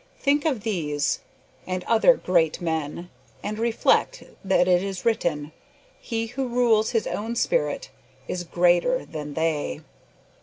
Think of these and other "great" men, and reflect that it is written, "He who rules his own spirit" is greater than they.